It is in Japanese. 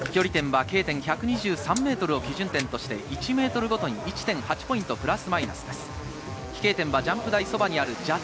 飛距離点はＫ点１２３ｍを基準点として、１ｍごとに１．８ポイントのプラスマイナスです。